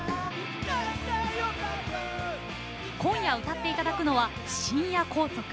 今夜歌っていただくのは「深夜高速」。